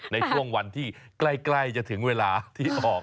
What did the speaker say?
ในช่วงวันที่ใกล้จะถึงเวลาที่ออก